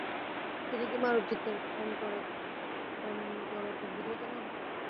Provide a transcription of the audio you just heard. তিনি কি মানবচিত্তের অন্তরতর বিধাতা নন?